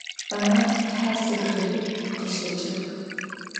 Banan hasexeri khışeç'ıx.